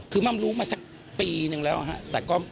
คือม่ำรู้มาสักปีนึงแล้วฮะแต่ก็